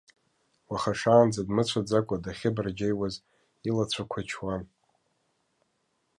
Уаха шаанӡа дмыцәаӡакәа дахьыбарџьеиуаз, илацәақәа чуан.